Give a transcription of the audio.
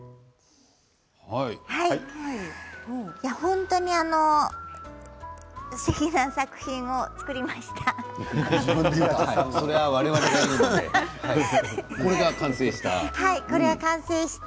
本当にすてきな作品を作りました。